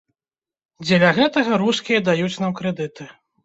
Дзеля гэтага рускія даюць нам крэдыты.